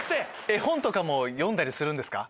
絵本も読んだりするんですか？